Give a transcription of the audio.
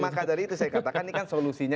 maka dari itu saya katakan ini kan solusinya